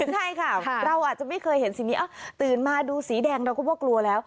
ใช่ค่ะเราอาจจะไม่เคยเห็นสิ่งนี้ตื่นมาดูสีแดงเราก็ว่ากลัวแล้ว